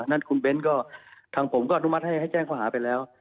นั้นคุณเบ้นก็ทางผมก็อนุมัติให้แจ้งข้อหาไปแล้ว